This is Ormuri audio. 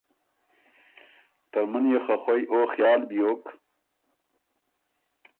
” ترمُن يې خه خوئ او خیال بيوک